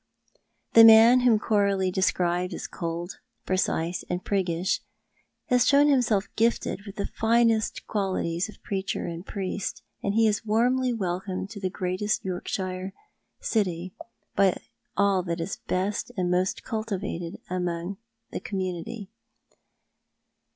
The man whom Coralie described as cold, precise, and priggish, has shown himself gifted with the finest qualities of preacher and priest, and he is warmly welcomed to the great Yorkshire city by all the best and most cultivated amongst the community.